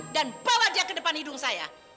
dan bawa dia ke depan hidung saya